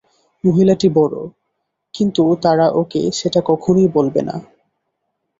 মহিলাটি বড়, কিন্তু তারা ওকে সেটা কখনই বলবে না।